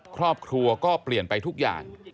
ครอบครัวก็เปลี่ยนไปทุกอย่าง